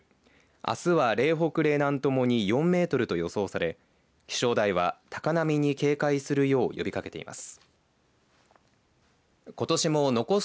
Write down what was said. あすは嶺北、嶺南共に４メートルと予想され気象台は高波に警戒するよう呼びかけています。